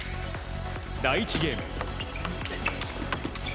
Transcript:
第１ゲーム。